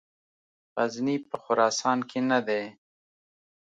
غزني په خراسان کې نه دی.